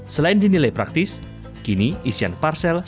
selain dinilai praktis kini isian parcel sepertinya